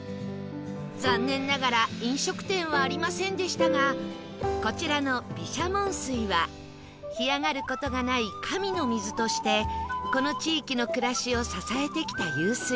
残念ながら飲食店はありませんでしたがこちらの毘沙門水は干上がる事がない「神の水」としてこの地域の暮らしを支えてきた湧水